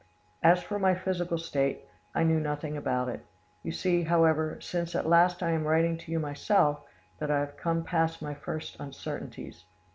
"As for my physical state, I knew nothing about it. You see, however, since at last I am writing to you myself, that I have come past my first uncertainties.